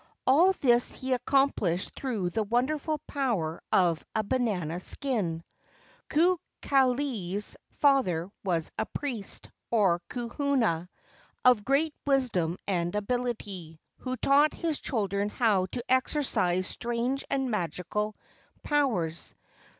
All this he accom¬ plished through the wonderful power of a banana skin. Kukali's father was a priest, or kahuna, of great wisdom and ability, who taught his children how to exercise strange and magical powers.